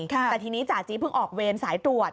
แต่ทีนี้จ่าจี๊เพิ่งออกเวรสายตรวจ